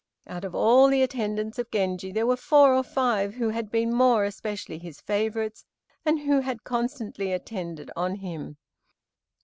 Out of all the attendants of Genji there were four or five who had been more especially his favorites, and who had constantly attended on him.